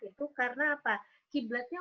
itu karena apa qiblatnya